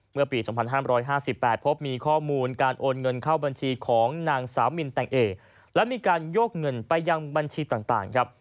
เมื่อปี๒๕๕๘พบมีข้อมูลการโอนเงินเข้าบัญชีของนางสาวมินแต่งเอและมีการโยกเงินไปยังบัญชีต่างครับ